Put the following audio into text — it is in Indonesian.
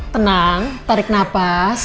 tenang tarik nafas